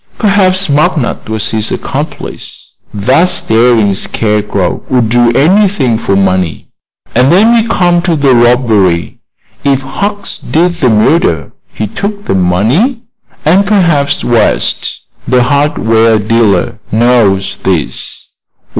Perhaps McNutt was his accomplice. That staring scarecrow would do anything for money. And then we come to the robbery. If Hucks did the murder he took the money, and perhaps West, the hardware dealer, knows this.